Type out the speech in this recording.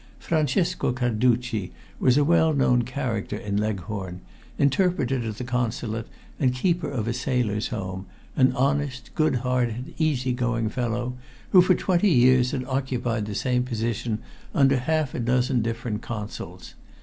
Francesco Carducci was a well known character in Leghorn; interpreter to the Consulate, and keeper of a sailor's home, an honest, good hearted, easy going fellow, who for twenty years had occupied the same position under half a dozen different Consuls.